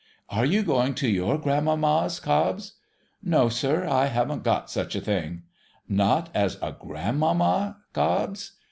' Are you going to your grandmamma's, Cobbs ?'' No, sir. I haven't got such a thing.' ' Not as a grandmamma, Cobbs